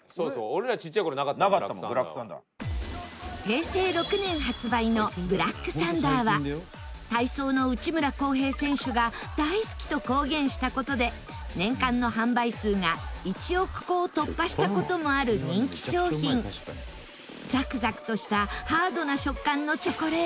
平成６年発売のブラックサンダーは体操の内村航平選手が「大好き」と公言した事で年間の販売数が１億個を突破した事もある人気商品ザクザクとしたハードな食感のチョコレート